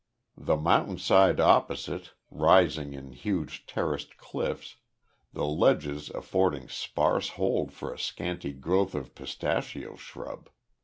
The mountain side opposite, rising in huge terraced cliffs, the ledges affording sparse hold for a scanty growth of pistachio shrub.